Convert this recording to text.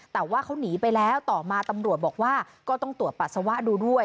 แต่ว่าเขาหนีไปแล้วต่อมาตำรวจบอกว่าก็ต้องตรวจปัสสาวะดูด้วย